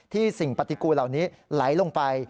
สิ่งปฏิกูลเหล่านี้ไหลลงไป